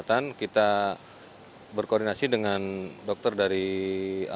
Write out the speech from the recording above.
b ali tan outras yang kami damos